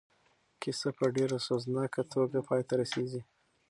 کیسه په ډېره سوزناکه توګه پای ته رسېږي.